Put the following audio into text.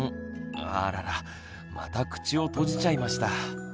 あららまた口を閉じちゃいました。